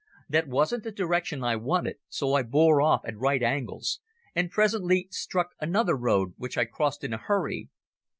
That wasn't the direction I wanted, so I bore off at right angles, and presently struck another road which I crossed in a hurry.